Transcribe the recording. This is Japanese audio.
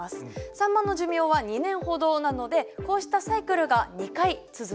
サンマの寿命は２年ほどなのでこうしたサイクルが２回続くということです。